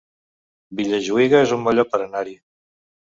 Vilajuïga es un bon lloc per anar-hi